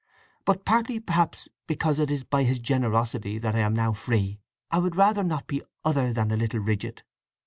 But partly, perhaps, because it is by his generosity that I am now free, I would rather not be other than a little rigid.